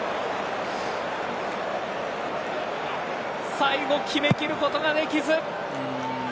最後、決め切ることができず。